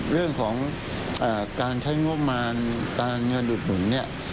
เรื่องของการใช้งบมารการเงินดูดสูง